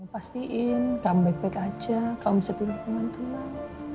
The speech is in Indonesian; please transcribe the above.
pastiin kamu baik baik aja kamu bisa tidur ke mantulah